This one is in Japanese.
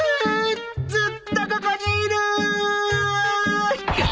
ずっとここにいるぅ！